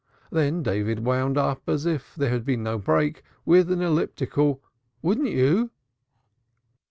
Then David wound up, as if there had been no break, with an elliptical, "wouldn't you?"